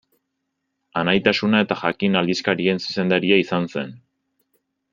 Anaitasuna eta Jakin aldizkarien zuzendaria izan zen.